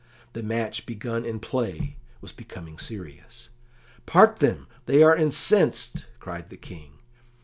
The match begun in play was becoming serious. "Part them; they are incensed!" cried the King.